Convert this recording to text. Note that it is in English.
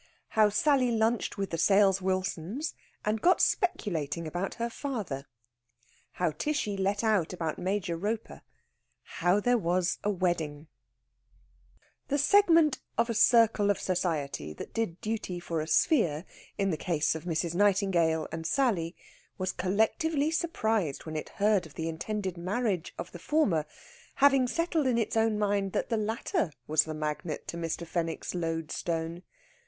HOW SALLY LUNCHED WITH THE SALES WILSONS, AND GOT SPECULATING ABOUT HER FATHER. HOW TISHY LET OUT ABOUT MAJOR ROPER. HOW THERE WAS A WEDDING The segment of a circle of Society that did duty for a sphere, in the case of Mrs. Nightingale and Sally, was collectively surprised when it heard of the intended marriage of the former, having settled in its own mind that the latter was the magnet to Mr. Fenwick's lodestone.